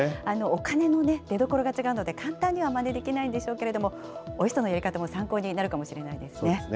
お金の出どころが違うので、簡単にはまねできないんでしょうけれども、ＯＩＳＴのやり方も参そうですね。